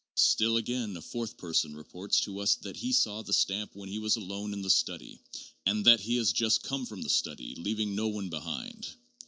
Still, again, a fourth person reports to us that he saw the stamp when he was alone in the study, and that he has just come from the study, leaving no one behind.